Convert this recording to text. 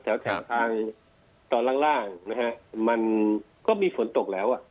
แถวแถวทางตอนร่างมันก็มีฝนตกแล้วอ่ะ